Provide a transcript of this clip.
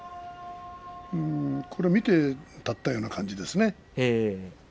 見て立ったような感じですね。